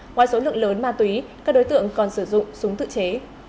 ngoài số lượng lớn ma túy các đối tượng còn sử dụng súng tự chế